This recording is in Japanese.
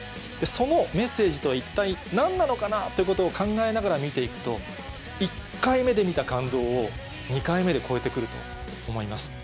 そのメッセージとは一体何なのかなぁということを考えながら見て行くと１回目で見た感動を２回目で超えて来ると思います。